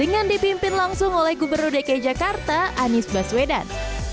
dengan dipimpin langsung oleh gubernur dki jakarta anies baswedan